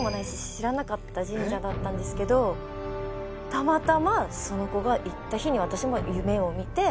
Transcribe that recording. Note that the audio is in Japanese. たまたまその子が行った日に私も夢を見て。